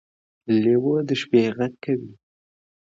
لیوه د شپې غږ کوي.